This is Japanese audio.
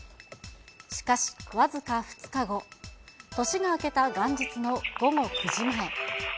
しかし、僅か２日後、年が明けた元日の午後９時前。